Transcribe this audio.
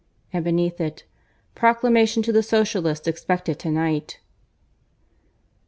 And beneath it: PROCLAMATION TO THE SOCIALISTS EXPECTED TO NIGHT.